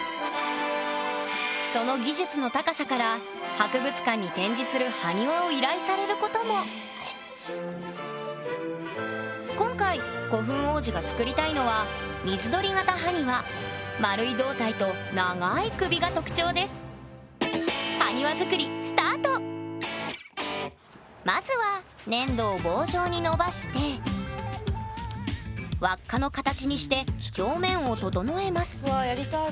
その技術の高さから博物館に展示する埴輪を依頼されることも今回古墳王子が作りたいのは丸い胴体と長い首が特徴ですまずは粘土を棒状に伸ばして輪っかの形にして表面を整えますうわ